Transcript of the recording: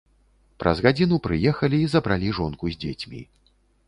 Праз гадзіну прыехалі і забралі жонку з дзецьмі.